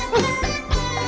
kamu juga sama